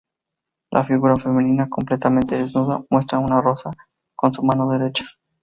La figura femenina, completamente desnuda, muestra una rosa con su mano derecha.